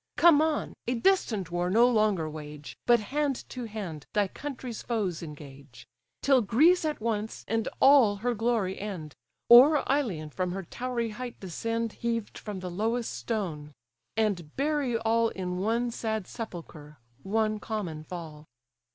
Come on—a distant war no longer wage, But hand to hand thy country's foes engage: Till Greece at once, and all her glory end; Or Ilion from her towery height descend, Heaved from the lowest stone; and bury all In one sad sepulchre, one common fall."